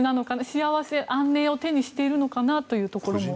幸せ、安寧を手にしているのかなという気持ちも。